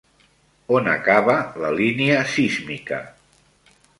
On acaba la línia sísmica?